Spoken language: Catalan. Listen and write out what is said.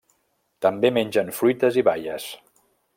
També mengen fruites i baies.